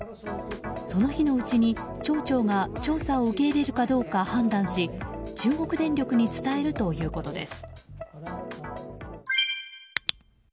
その日のうちに町長が調査を受け入れるかどうか判断し中国電力に伝えるということです。